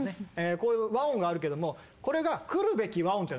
こういう和音があるけどもこれが来るべき和音というのがあるわけですよ。